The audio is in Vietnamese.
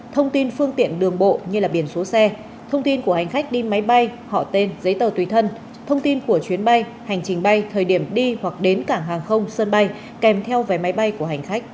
thông tin phương tiện đường bộ như biển số xe thông tin của hành khách đi máy bay họ tên giấy tờ tùy thân thông tin của chuyến bay hành trình bay thời điểm đi hoặc đến cảng hàng không sân bay kèm theo vé máy bay của hành khách